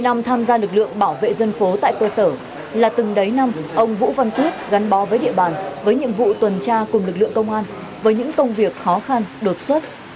bảy mươi năm tham gia lực lượng bảo vệ dân phố tại cơ sở là từng đáy năm ông vũ văn quyết gắn bó với địa bàn với nhiệm vụ tuần tra cùng lực lượng công an với những công việc khó khăn đột xuất